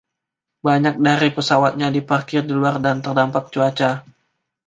Banyak dari pesawatnya diparkir di luar dan terdampak cuaca.